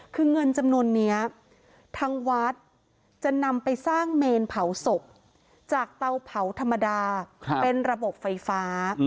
คือเงินจำนวนนี้ทางวัดจะนำไปสร้างเมนเผาศพจากเตาเผาธรรมดาเป็นระบบไฟฟ้า